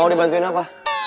mau dibantuin apa